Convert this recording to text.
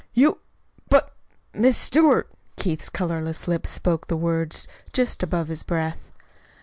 "You! but Miss Stewart!" Keith's colorless lips spoke the words just above his breath.